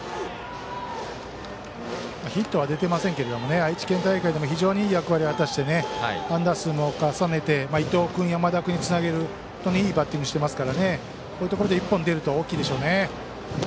ヒットは出てませんけれども愛知県大会でも非常にいい役割を果たして安打数も重ねて伊藤君、山田君につなげる、いいバッティングをしていますからこういうところで１本出ると大きいでしょうね。